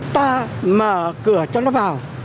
ta mở cửa cho nó vào